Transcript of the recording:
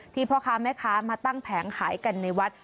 พ่อค้าแม่ค้ามาตั้งแผงขายกันในวัด